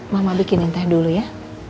mama bikin yang teh dulu ya